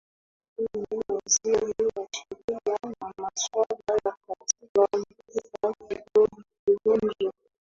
hata hivyo waziri wa sheria na masuala ya katiba mtula kilonzo